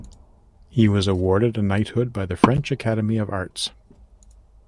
He was awarded a knighthood by the French Academy of Arts.